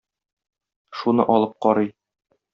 Шуны алып карый.